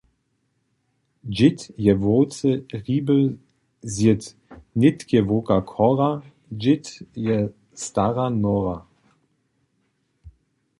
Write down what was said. Dźěd je wowce hriby zjedł, nětk je wowka chora, dźěd je stara nora.